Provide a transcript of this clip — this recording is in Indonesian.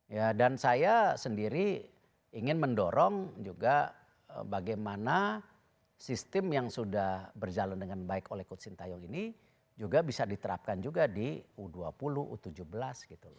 ya dan saya sendiri ingin mendorong juga bagaimana sistem yang sudah berjalan dengan baik oleh coach sintayong ini juga bisa diterapkan juga di u dua puluh u tujuh belas gitu loh